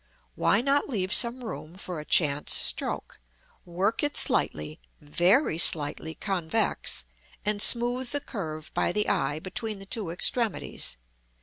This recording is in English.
Why not leave some room for a chance stroke, work it slightly, very slightly convex, and smooth the curve by the eye between the two extremities?